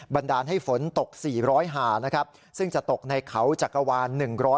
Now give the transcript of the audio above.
บันดาลให้ฝนตก๔๐๐หานะครับซึ่งจะตกในเขาจักรวาล